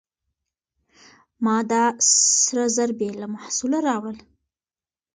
ما دا سره زر بې له محصوله راوړل.